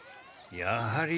やはり。